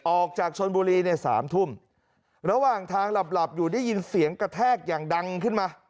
ออกจากชนบุรีเนี่ยสามทุ่มระหว่างทางหลับหลับอยู่ได้ยินเสียงกระแทกอย่างดังขึ้นมา